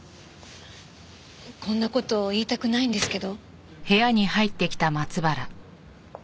こんな事言いたくないんですけど。